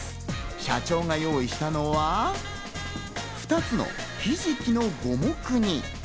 社長が用意したのは２つのひじきの五目煮。